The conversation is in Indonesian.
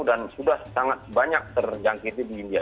dan sudah sangat banyak terjangkiti di india